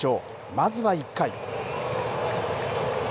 まずは１回。